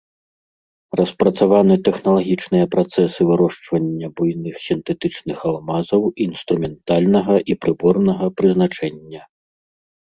Распрацаваны тэхналагічныя працэсы вырошчвання буйных сінтэтычных алмазаў інструментальнага і прыборнага прызначэння.